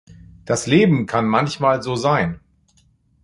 Das Leben kann manchmal so sein.